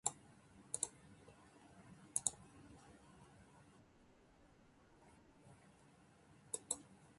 アイドルに会いにいった。